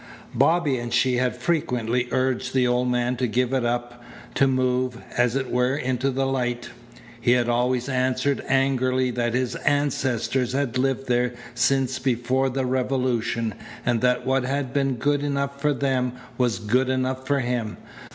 Bobby and she had frequently urged the old man to give it up, to move, as it were, into the light. He had always answered angrily that his ancestors had lived there since before the Revolution, and that what had been good enough for them was good enough for him.